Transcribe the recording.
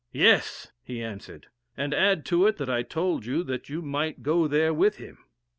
"Yes," he answered, "and add to it that I told you that you might go there with him."